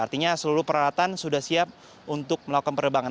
artinya seluruh peralatan sudah siap untuk melakukan penerbangan